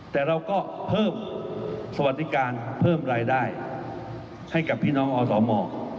แต่เราก็เพิ่มสวัสดิการเพิ่มรายได้ให้กับพี่น้องอสม